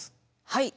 はい。